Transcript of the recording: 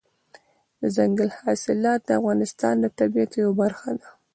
دځنګل حاصلات د افغانستان د طبیعت یوه برخه ده.